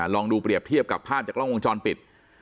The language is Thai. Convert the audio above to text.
ลองดูเปรียบเทียบกับภาพจากกล้องวงจรปิด